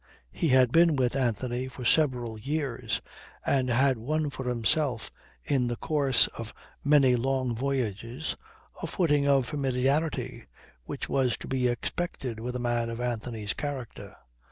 He had been with Anthony for several years, and had won for himself in the course of many long voyages, a footing of familiarity, which was to be expected with a man of Anthony's character.